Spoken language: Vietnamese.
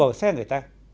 vào xe người ta